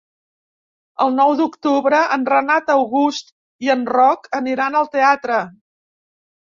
El nou d'octubre en Renat August i en Roc aniran al teatre.